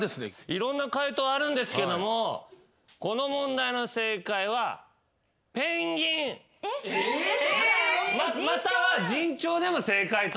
いろんな解答あるんですけどもこの問題の正解は「ペンギン」えっ！？または「じんちょう」でも正解と。